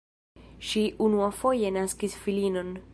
Ŝi unuafoje naskis filinon.